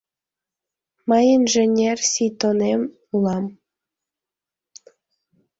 Мый инженер Сийтонен улам.